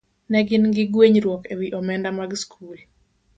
ne gin gi gwenyruok e wi omenda mag skul.